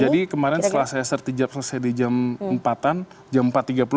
bisa jadi kemarin setelah saya sertijap selesai di jam empat an jam empat tiga puluh